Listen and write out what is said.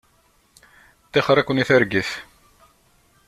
Tixeṛ-iken i targit.